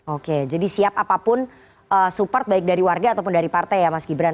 oke jadi siap apapun support baik dari warga ataupun dari partai ya mas gibran